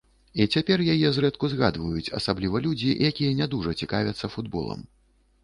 І цяпер яе зрэдку згадваюць, асабліва людзі, якія не дужа цікавяцца футболам.